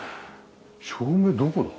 照明どこだ？